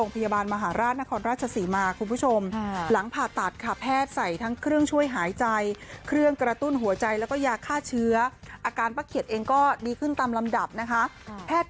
ผู้ชมหลังผ่าตัดแพทย์ใส่ทั้งเครื่องช่วยหายใจเครื่องก็ต้นหัวใจแล้วก็ยาฆ่าเชื้ออาการป้าเขียดเองก็ดีขึ้นตามลำดับนะคะแพทย์